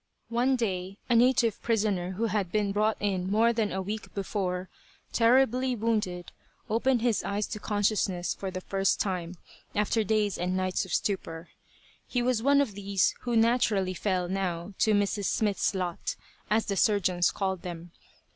One day a native prisoner who had been brought in more than a week before, terribly wounded, opened his eyes to consciousness for the first time, after days and nights of stupor. He was one of these who naturally fell, now, to "Mrs. Smith's lot," as the surgeons called them.